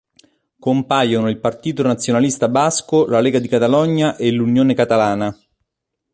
Compaiono il Partito Nazionalista Basco, la Lega di Catalogna e l'Unione catalana.